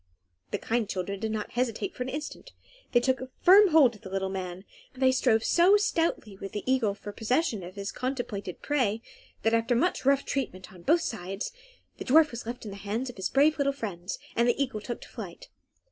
The kind children did not hesitate for an instant. They took a firm hold of the little man, they strove so stoutly with the eagle for possession of his contemplated prey, that, after much rough treatment on both sides, the dwarf was left in the hands of his brave little friends, and the eagle took to flight.